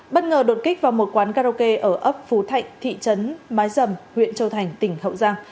bất ngờ đột kích vào một quán karaoke ở ấp phú thạnh thị trấn mái dầm huyện châu thành tỉnh hậu giang